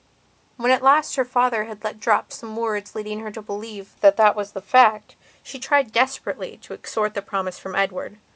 When at last her father had let drop some words leading her to believe that that was the fact, she tried desperately to extort the promise from Edward.